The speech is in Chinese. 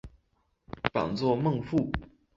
榜作孟富。